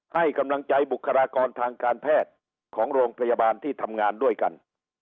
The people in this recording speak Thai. ให้กำลังใจบุคลากรทางการแพทย์ของโรงพยาบาลที่ทำงานด้วยกัน